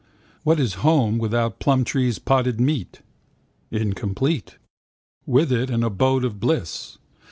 What is home without Plumtree's Potted Meat? Incomplete. With it an abode of bliss.